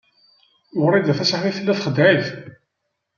Wrida Tasaḥlit tella txeddeɛ-it.